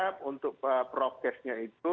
beli k operational